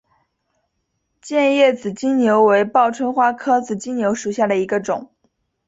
剑叶紫金牛为报春花科紫金牛属下的一个种。